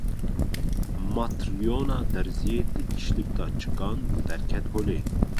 Matryona derziyê di îşlik de çikand û derket holê.